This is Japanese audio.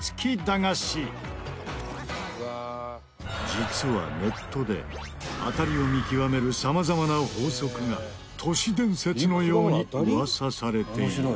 実はネットで当たりを見極める様々な法則が都市伝説のように噂されている。